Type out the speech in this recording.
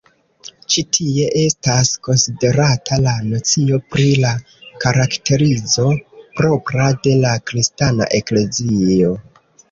Ĉi tie estas konsiderata la nocio pri la karakterizo propra de la Kristana Eklezio.